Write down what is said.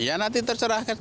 ya nanti terserahkan